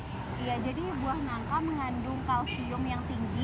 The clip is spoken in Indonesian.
iya jadi buah nangka mengandung kalsium yang tinggi